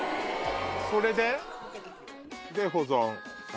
それで保存。